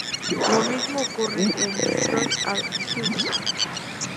Lo mismo ocurre en "Destroy All Humans!